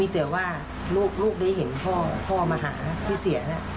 แต่ลูกได้เห็นพ่อป้อมาหาที่เสีย